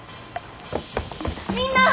みんな！